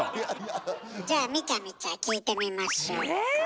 じゃあみちゃみちゃ聞いてみましょうか。